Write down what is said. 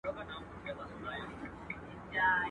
اتلسمه نکته.